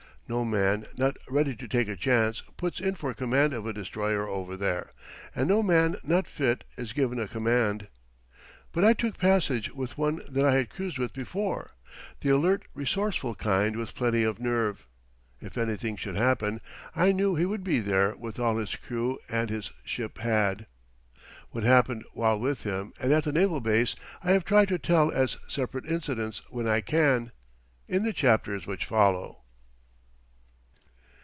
No man not ready to take a chance puts in for command of a destroyer over there; and no man not fit is given a command. But I took passage with one that I had cruised with before the alert, resourceful kind with plenty of nerve. If anything should happen, I knew he would be there with all his crew and his ship had. What happened while with him and at the naval base I have tried to tell as separate incidents when I can, in the chapters which follow.